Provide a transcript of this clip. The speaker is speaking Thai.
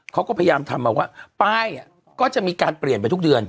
เขาก็พยายามทำมาว่าป้ายก็จะมีการเปลี่ยนไปทุกเดือน